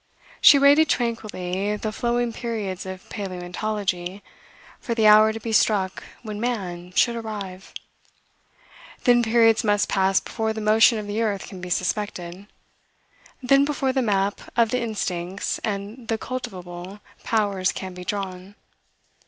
She waited tranquilly the flowing periods of paleontology, for the hour to be struck when man should arrive. Then periods must pass before the motion of the earth can be suspected; then before the map of the instincts and the cultivable powers can be drawn.